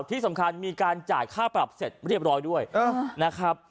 ที่สำคัญมีการจ่ายค่าปรับเสร็จเรียบร้อยด้วยนะครับ